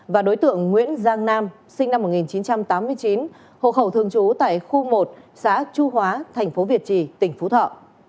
và đối tượng nguyễn giang nam sinh năm một nghìn chín trăm tám mươi chín hộ khẩu thường trú tại khu một xã chu hóa thành phố việt trì tỉnh phú thọ